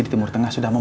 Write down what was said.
terima kasih pak